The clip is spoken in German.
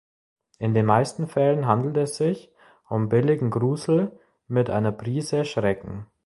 In den meisten Fällen handelt es sich um billigen Grusel mit einer Prise Schrecken.